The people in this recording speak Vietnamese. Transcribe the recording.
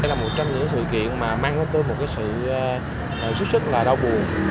đây là một trong những sự kiện mà mang tới tôi một cái sự sức sức là đau buồn